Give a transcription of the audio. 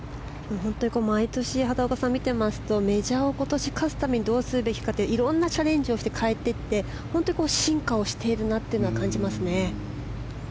毎年、畑岡さんを見てますとメジャーを今年、勝つためにどうするべきかっていろいろチャレンジして変えて進化をしているなと感じますね。